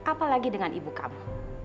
apalagi dengan ibu kamu